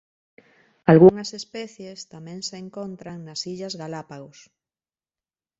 Algunhas especies tamén se encontran nas Illas Galápagos.